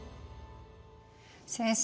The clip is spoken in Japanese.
先生